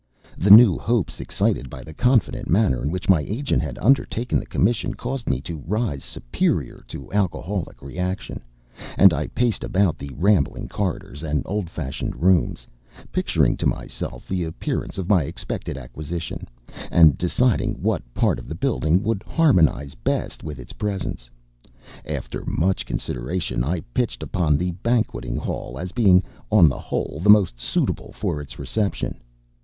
The new hopes excited by the confident manner in which my agent had undertaken the commission caused me to rise superior to alcoholic reaction, and I paced about the rambling corridors and old fashoned rooms, picturing to myself the appearance of my expected acquisition, and deciding what part of the building would harmonize best with its presence. After much consideration, I pitched upon the banqueting hall as being, on the whole, most suitable for its reception.